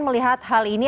melihat hal ini